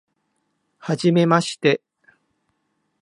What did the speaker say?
はじめまして